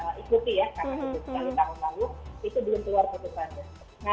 ada satu yang dinyatakan infokosisional tapi kemudian itu sudah dikabulkan oleh mk